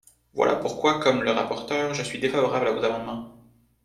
Voilà pourquoi, comme le rapporteur, je suis défavorable à vos amendements.